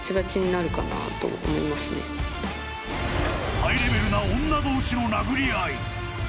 ハイレベルな女同士の殴り合い。